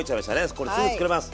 これすぐ作れます。